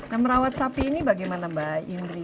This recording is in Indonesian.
nah merawat sapi ini bagaimana mbak indri